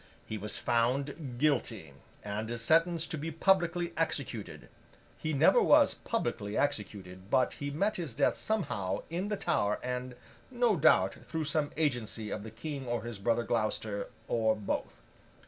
He was found guilty, and sentenced to be publicly executed. He never was publicly executed, but he met his death somehow, in the Tower, and, no doubt, through some agency of the King or his brother Gloucester, or both.